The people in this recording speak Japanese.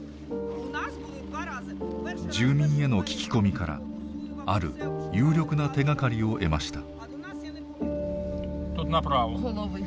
住民への聞き込みからある有力な手がかりを得ました。